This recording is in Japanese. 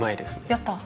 やったー。